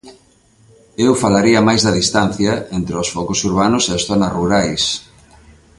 Eu falaría máis da distancia entre os focos urbanos e as zonas rurais.